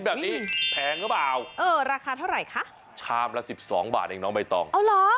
แบบนี้แพงหรือเปล่าเออราคาเท่าไหร่คะชามละสิบสองบาทเองน้องใบตองเอาเหรอ